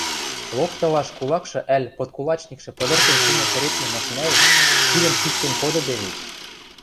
Локтылаш кулакшы ӓль подкулачникшӹ пыдыртен шумы тӹредмӹ машинӓэш кидӹм пиштен кодыде вет.